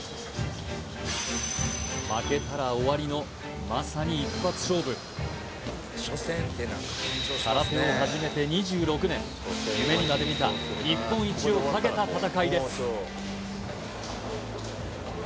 負けたら終わりのまさに一発勝負空手を始めて２６年夢にまで見た日本一をかけた戦いです